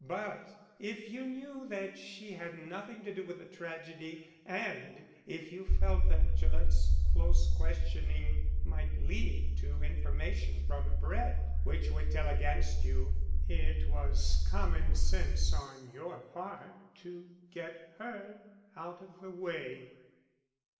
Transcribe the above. But if you knew that she had nothing to do with the tragedy, and if you felt that Gillett's close questioning might lead to information from Brett which would tell against you, it was common sense on your part to get her out of the way."